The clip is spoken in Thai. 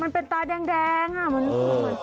มันเป็นตาแดงอ่ะมันเหมือนพี่ตา